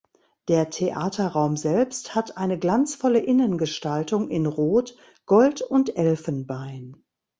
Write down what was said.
Der Theaterraum selbst hat eine glanzvolle Innengestaltung in Rot, Gold und Elfenbein.